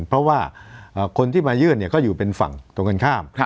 เพราะว่าคนที่มายื่นก็อยู่เป็นฝั่งตรงกันข้าม